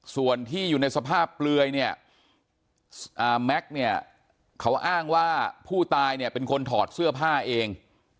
ส่วนที่อยู่ในสภาพเปลือยเนี่ยแม็กซ์เนี่ยเขาอ้างว่าผู้ตายเนี่ยเป็นคนถอดเสื้อผ้าเอง